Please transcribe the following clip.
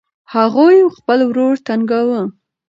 هغوی خپل ورور تنګاوه.